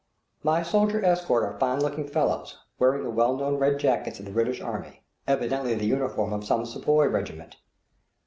My soldier escort are fine looking fellows, wearing the well known red jackets of the British Army, evidently the uniform of some sepoy regiment.